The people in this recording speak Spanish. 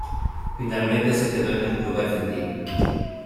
Finalmente se quedó en el club argentino.